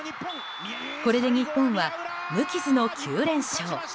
これで日本は無傷の９連勝。